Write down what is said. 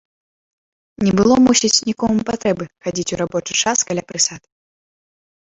Не было, мусіць, нікому патрэбы хадзіць у рабочы час каля прысад.